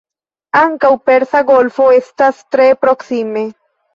Ankaŭ Persa Golfo estas tre proksime.